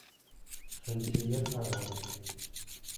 Сынтимер ағай: